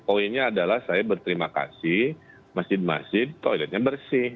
poinnya adalah saya berterima kasih masjid masjid toiletnya bersih